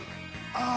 ああ。